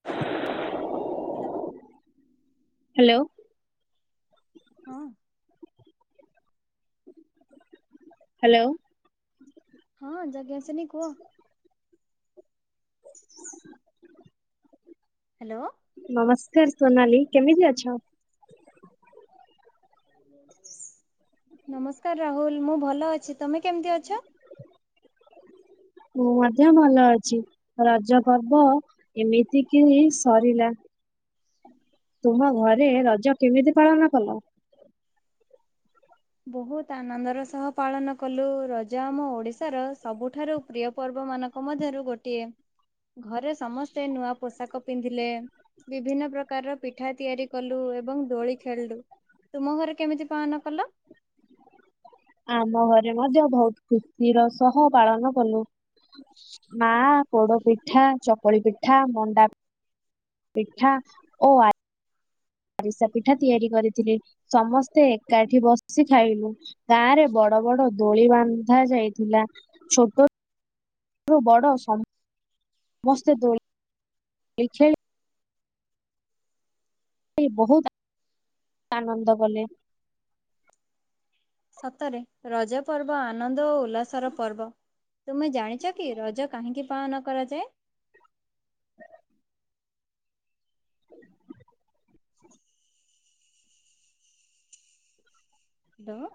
[inaudible] Hello. Hello. ହଁ। Hello. ହଁ ଯାଜ୍ଞସେନି କୁହ? ହୁଁ ହ୍ୟାଲୋ। ନମସ୍କାର ସୋନାଲି କେମିତି ଅଛ? ନମସ୍କାର ରାହୁଲ ମୁଁ ଭଲ ଅଛି ତମେ କେମିତି ଅଛ? ମୁଁ ମଧ୍ୟ ଭଲ ଅଛି ରଜ ପର୍ବ ଏମିତି କିି ସରିଲା। ତୁମ ଘରେ ରଜ କେମିତି ପାଳନ କଲ? ବହୁତ ଆନନ୍ଦର ସହ ପାଳନ କଲୁ ରଜ ଆମ ଓଡ଼ିଶାର ସବୁଠାରୁ ପ୍ରିୟ ପର୍ବ ମାନ ନଙ୍କ ମଧ୍ୟରୁ ଗୋଟିଏ ଘରେ ସମସ୍ତେ ନୂଆ ପୋଷାକ ପିନ୍ଧିଲେ। ବିଭିନ୍ନ ପ୍ରକାରର ପିଠା ତିଆରି କଲୁ ଏବଂ ଦୋଳି ଖେଳିଲୁ। ତୁମ ଘରେ କେମିତି ପାଳନ କଲ? ଆମ ଘରେ ମଧ୍ୟ ବହୁତ ଖୁସିର ସହ ପାଳନ କଲୁ। ମା ପୋଡ ପିଠା ଚକୁଳି ପିଠା ମଣ୍ଡା ମିିଠା ଓ ଆ ଆରିସା ପିଠା ତିଆରି କରିଥିଲେ ସମସ୍ତେ ଏକାଠି ବସି ଖାଇଲୁ। ଗାଁ ରେ ବଡ ବଡ ଦୋଳି ବାନ୍ଧା ଯାଇଥିଲା ଛୋଟ ଛୋଟଠୁ ବଡ଼ ସମସ୍ତେ ଦୋଳି ଖେଳି [inaudible] ଖେଳି ବହୁତ ଆନନ୍ଦ କଲେ। ସତରେ ରଜ ପର୍ବ ଆନନ୍ଦ ଓ ଉଲ୍ଲାସର ପର୍ବ। ତୁମେ ଜାଣିଛ କି ରଜ କାହିଁକି ପାଳନ କରାଯାଏ? ହ୍ୟାଲୋ।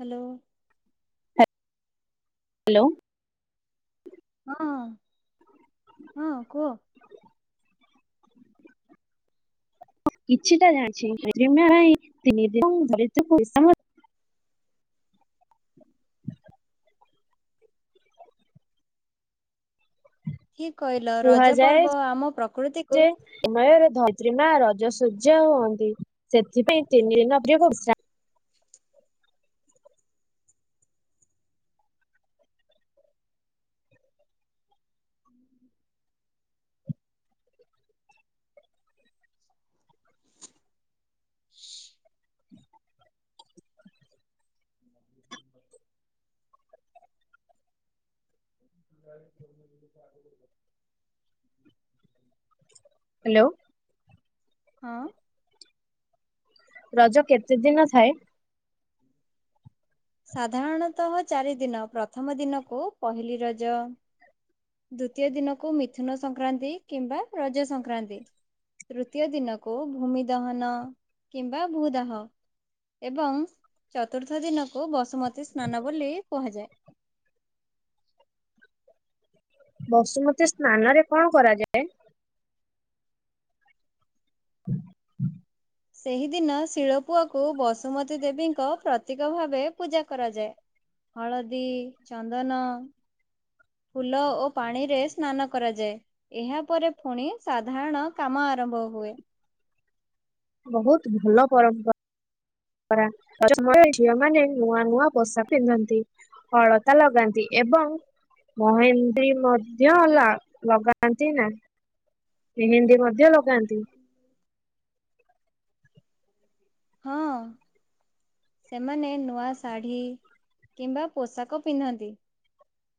ହ୍ୟାଲୋ। ହ୍ୟାଲୋ। ହଁ ହଁ କୁହ। କିଛିଟା ଜାଣିଛି ତିନି ଦିନ ଧରୁ ପଇସା [inaudible] ଠିକ କହିଲ ରଜ କୁହାଯାଏ ପର୍ବ ଆମ ପ୍ରକୃତିକୁ ଯେ ସମୟରେ ଧରିତ୍ରୀ ମା ରଜସଜ୍ୟା ହୁଅନ୍ତି ସେଥିପାଇଁ ତିନି ଦିନ ପ୍ରିୟ ବର୍ଷା ହ୍ୟାଲୋ। ହଁ। ରଜ କେତେ ଦିନ ଥାଏ? ସାଧାରଣତଃ ଚାରିଦିନ ପ୍ରଥମ ଦିନକୁ ପହିଲି ରଜ। ଦ୍ଵିତୀୟ ଦିନକୁ ମିଥୁନ ସଂକ୍ରାନ୍ତି କିମ୍ବା ରଜ ସଂକ୍ରାନ୍ତି। ତୃତୀୟ ଦିନକୁ ଭୂମି ଦହନ କିମ୍ବା ଭୂଦାହ। ଏବଂ ଚତୁର୍ଥ ଦିନକୁ ବସୁମତୀ ସ୍ନାନ ବୋଲି କୁହାଯାଏ। ବସୁମତୀ ସ୍ନାନରେ କଣ କରାଯାଏ? ହୁଁ ହୁଁ ସେହିଦିନ ଶିଳପୁଅକୁ ବସୁମତୀ ଦେବୀଙ୍କ ପ୍ରତୀକ ଭାବେ ପୂଜା କରାଯାଏ। ହଳଦୀ ଚନ୍ଦନ ଫୁଲ ଓ ପାଣିରେ ସ୍ନାନ କରାଯାଏ। ଏହା ପରେରେ ଫୁଣି ସାଧାରଣ କାମ ଆରମ୍ଭ ହୁଏ। ବହୁତ ଭଲ ପରମ୍ପରା। ଝିଅ ମାନେ ନୂଆ ନୂଆ ପୋଷା ପିନ୍ଧନ୍ତି। ଅଳତା ଲଗାନ୍ତି ଏବଂ ମହେନ୍ଦୀ ମଧ୍ୟ ଲାଗ ଲଗାନ୍ତି ନାହିଁ କାରଣ ମେହେନ୍ଦୀ ମଧ୍ୟ ମଧ୍ୟ ଲଗାନ୍ତି। ହଁ। ସେମାନେ ନୂଆ ଶାଢ଼ୀ କିମ୍ବା ପୋଷାକ ପିନ୍ଧନ୍ତି।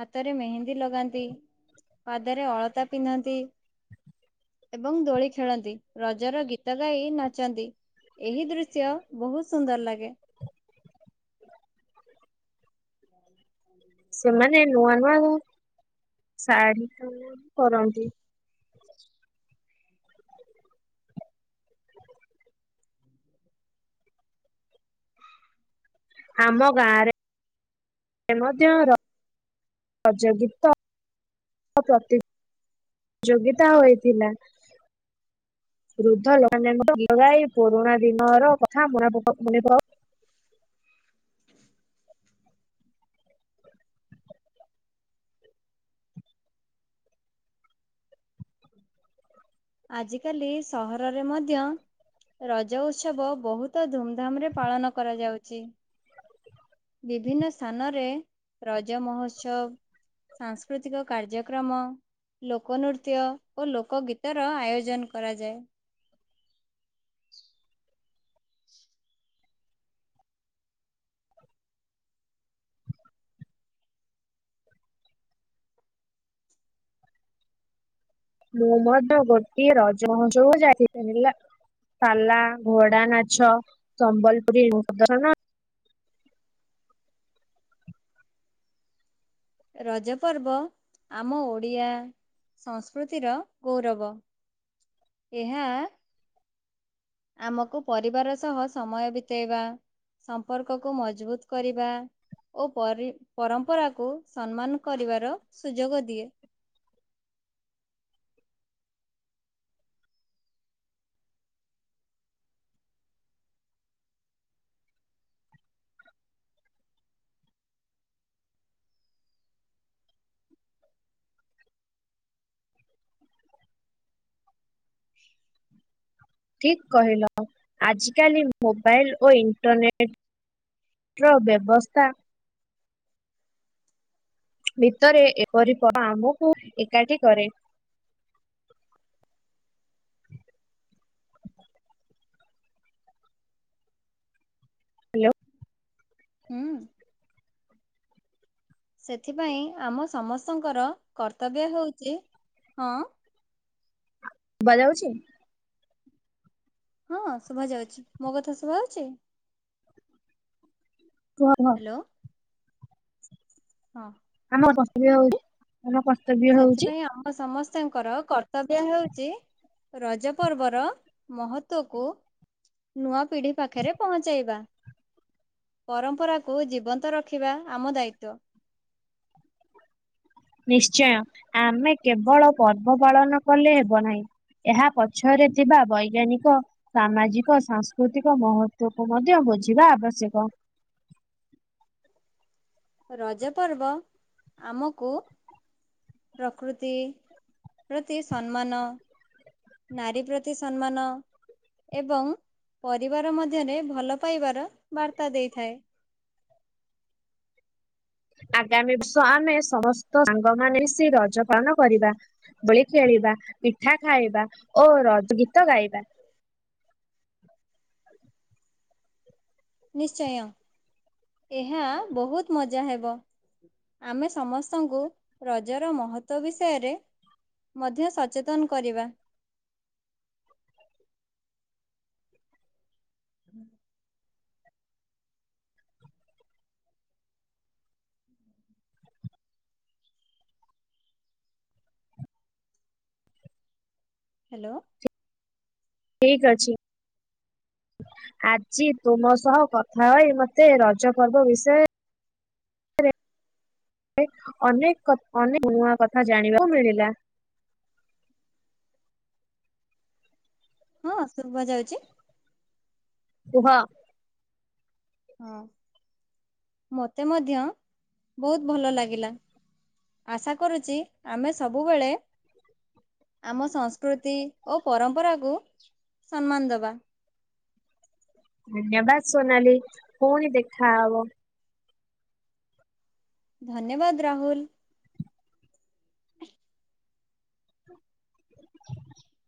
ହାତରେ ମେହେନ୍ଦୀ ଲଗାନ୍ତି, ପାଦରେ ଅଳତା ପିନ୍ଧନ୍ତି। ଏବଂ ଦୋଳି ଖେଳନ୍ତି, ରଜର ଗୀତ ଗାଇ ନାଚନ୍ତି। ଏହି ଦୃଶ୍ୟ ବହୁତ୍ ସୁନ୍ଦର ଲାଗେ। [inaudible] ସେ ନୂଆ ନୂଆ ହଉ ଶାଢ଼ୀ କରନ୍ତି। ଆମ ଗାଁରେ ମଧ୍ୟ ରଜ ଗୀତ ପ୍ରତି ଯୋଗିତା ହୋଇଥିଲା। ବୃଦ୍ଧ ଲୋକ ଲଗ। [unintelligible] ପୁରୁଣା ଦିନ ର କଥା ମ ମନେ ପ। [unintelligible] ଆଜିକାଲି ସହରରେ ମଧ୍ୟ ରଜ ଉତ୍ସବ ବହୁତ ଧୁମଧାମ ରେ ପାଳନ କରାଯାଉଛି। ବିଭିନ୍ନ ସ୍ଥାନରେ ରଜ ମହୋତ୍ସବ ସାଂସ୍କୃତିକ କାର୍ଯ୍ୟକ୍ରମ ଲୋକନୃତ୍ୟ ଓ ଲୋକ ଗୀତର ଆୟୋଜନ କରାଯାଏ। ମୁଁ ମଧ୍ୟ ଗୋଟିଏ ରଜ ମହୋତ୍ସବ କୁ ଯାଇଥିଲି ହେଲା। ପାଲା, ଘୋଡା ନାଛ, ସମ୍ବଲପୁରୀବୁ। [unintelligible] ରଜ ପର୍ବ ଆମ ଓଡିଆ ସଂସ୍କୃତିର ଗୌରବ, ଏହା ଆମକୁ ପରିବାର ସହ ସମୟ ବିତେଇବା ସମ୍ପର୍କକୁ ମଜବୁତ କରିବା। ଓ ପରି ପରମ୍ପରାକୁ ସମ୍ମାନ କରିବାର ସୁଯୋଗ ଦିଏ। ଠିକ କହିଲ ଆଜିକାଲି ମୋବାଇଲ ଓ ଇଣ୍ଟରନେଟ ର ବ୍ୟବସ୍ଥା ଭିତରେ ଏପରି [unintelligible] ଆମକୁ ଏକାଠି କରେ। ହ୍ୟାଲୋ। ହୁଁ। ସେଥିପାଇଁ ଆମ ସମସ୍ତଙ୍କର କର୍ତ୍ତବ୍ୟ ହେଉଚି, ହଁ ସୁବା ଯାଉଛି? ହଁ ଶୁଭା ଯାଉଛି, ମୋ କଥା ଶୁଭା ହାଉଛି? [unintelligible] ଲୋ ହଁ। ଆମ କସ ବି ହଉଛି। [unintelligible] ସେଥିପାଇଁ ଆମ ସମସ୍ତଙ୍କର କର୍ତ୍ତବ୍ୟ ହେଉଛି ରଜ ପର୍ବର ମହତ୍ବକୁ ନୂଆ ପିଢ଼ି ପାଖରେ ପହଞ୍ଚାଇବା। ପରମ୍ପରାକୁ ଜୀବନ୍ତ ରଖିବା ଆମ ଦାୟିତ୍ୱ। ନିଶ୍ଚୟ, ଆମେ କେବଳ ପର୍ବ ପାଳନ କଲେ ହେବ ନାହିଁ। ଏହା ପଛରେ ଥିବା ବୈଜ୍ଞାନିକ ସାମାଜିକ, ସାଂସ୍କୃତିକ, ମହତ୍ବ କୁ ମଧ୍ୟ ବୁଝିବା ଆବଶ୍ୟକ। ରଜ ପର୍ବ ଆମକୁ ପ୍ରକୃତି ପ୍ରତି ସମ୍ମାନ ନାରୀ ପ୍ରତି ସମ୍ମାନ। ଏବଂ ପରିବାର ମଧ୍ୟରେ ଭଲ ପାଇବାର ବାର୍ତ୍ତା ଦେଇଥାଏ। ଆଗାମୀ ବର୍ଷ ଆମେ ସମସ୍ତ ସାଙ୍ଗ ମାନେ ମିସି ରଜ ପାଳନ କରିବା। ଦୋଳି ଖେଳିବା। ପିଠା ଖାଇବା ଓ ରଜ ଗୀତ ଗାଇବା। ନିଶ୍ଚୟ ଏହା ବହୁତ ମଜା ହେବ। ଆମେ ସମସ୍ତଙ୍କୁ ରଜର ମହତ୍ବ ବିଷୟରେ ମଧ୍ୟ ସଚେତନ କରିବା। ହୁଁ। ହ୍ୟାଲୋ। ଠିକ ଅଛି। ଆଜି ତୁମ ସହ କଥା ହଇ ମୋତେ ରଜ ପର୍ବ ବିଷୟରେ ଅନେକ୍ ନୂଆ କଥା ଜାଣିବାକୁ ମିଳିଲା। ହଁ ଶୁଭା ଯାଉଛି। କୁହ? ହଁ ମତେ ମଧ୍ୟ ବହୁତ ଭଲ ଲାଗିଲା। ଆଶା କରୁଛି ଆମେ ସବୁବେଳେ ଆମ ସଂସ୍କୃତି ଓ ପରମ୍ପରାକୁ ସମ୍ମାନ ଦବା। ଧନ୍ୟବାଦ ସୋନାଲି ପୁଣି ଦେଖାହବ। ଧନ୍ୟବାଦ ରାହୁଲ।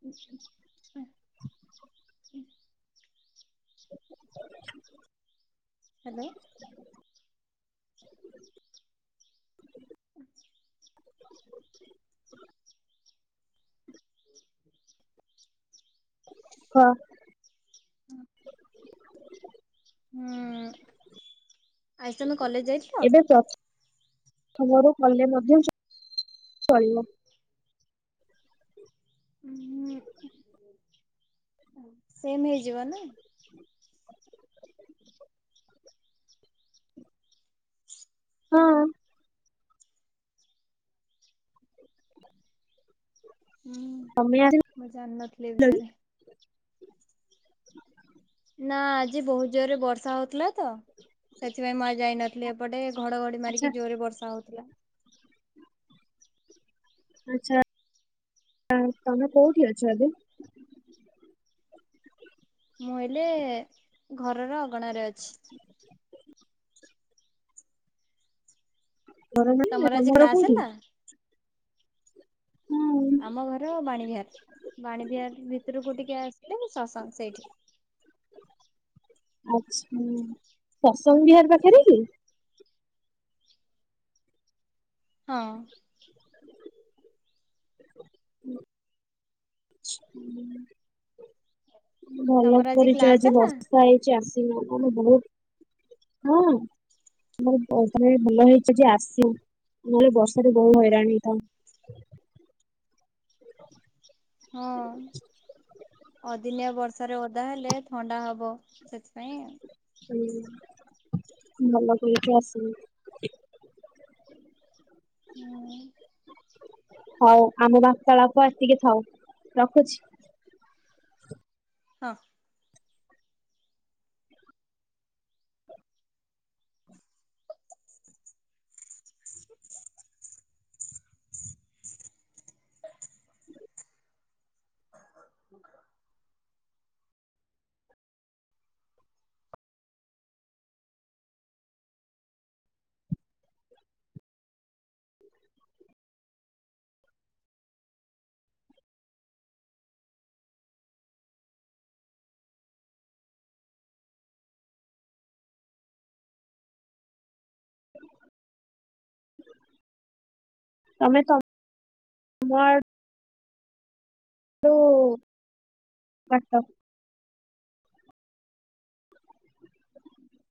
[inaudible] [inaudible] ହ୍ୟାଲୋ। [inaudible] ହଁ। ହଁ। ହୁଁ ଆଜି ତମେ କଲେଜ ଯାଇଥିଲ? ଆମର କଲେ ମଧ୍ୟ ଚଳ ଚଳିବ। ହଉଁ ସେମ ହେଇଯିବ ନା। ହଁ। ହୁଁ। କମିଆ ମୁଁ ଜାଣିନଥିଲି ଏ ବିଷୟରେ। ନା ଆଜି ବହୁତ ଜୋରରେ ବର୍ଷା ହଉଥିଲା ତ ସେଥିପାଇଁ ମୁ ଆଜି ଯାଇ ଥିଲେ ଏପଟେ ଘଡଘଡି ଆଚ୍ଛା ମାରିକି ଜୋରରେ ବର୍ଷା ହଉଥିଲା। ଆଛା ତମେ କୋଉଠି ଅଛ ଏବେ? ମୁଁ ହେଲେ ଘରର ଅଗଣାରେ ଅଛି। ଘର ନାହିଁ ତମର ନା ତମ ଆଜି ଘର କ୍ଲାସ କୋଉଠି? ହେଲା? ଆମ ଘର ବାଣୀ ବିହାର ବାଣୀ ବିହାର ଭିତରକୁ ଟିକେ ଆସିଲେ ସସଙ୍ଗ ସେଇଠି। ଆଛା ସତ୍ସଙ୍ଗ ବିହାର ପାଖରେ କି? ହଁ। ହ ଭଲ ତମର କରିଛ କ୍ଲାସ ଆଜି ହେଲା ବର୍ଷା ହେଇ ଯେ ଆସୀନ ଆ ବହୁତ ହଁ। ତମେ ଭଲ ହେଇଛ ଯେ ଆସିନ ନହେଲେ ବର୍ଷାରେ ବହୁ ହଇରାଣ ହେଇଥାନ୍ତ। ହଁ ଅଦିନିଆ ବ ଥରେ ଓଦା ହେଲେ ଥଣ୍ଡା ହେବ। ସେଥିପାଇଁ ହୁଁ ଭଲ କରିକି ଆସିନ। ହୁଁ। ହଉ ଆମ ବାର୍ତ୍ତାଳାପ ଏତିକି ଥାଉ ରଖୁଛି। ହଁ। [inaudible] [inaudible] ତମେ ତ [unintelligible] ଉଁ [unintelligible]